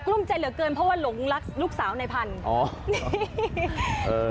ลุ้มใจเหลือเกินเพราะว่าหลงรักลูกสาวในพันธุ์